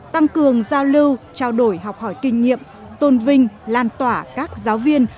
tăng cường giao lưu trao đổi học hỏi kinh nghiệm tôn vinh lan tỏa các giáo viên